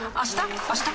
あした？